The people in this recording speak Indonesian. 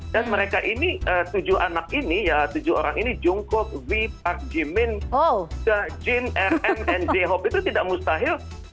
dan mereka ini tujuh anak ini ya tujuh orang ini jung kob v park ji min jin rm and j hope itu tidak mustahil